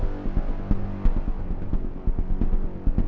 saya merasakan hidup saya